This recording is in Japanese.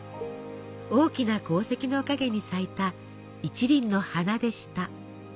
大きな功績の陰に咲いた１輪の花でした。